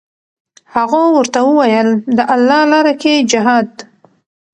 هغو ورته وویل: د الله لاره کې جهاد.